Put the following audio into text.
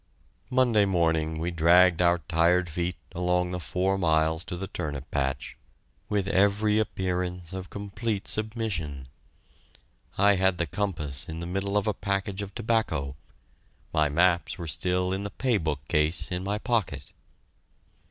Monday morning we dragged our tired feet along the four miles to the turnip patch with every appearance of complete submission. I had the compass in the middle of a package of tobacco; my maps were still in the pay book case in my pocket.